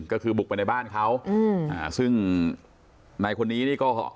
ก็คือบุกไปในบ้านเขาอืมอ่าซึ่งนายคนนี้นี่ก็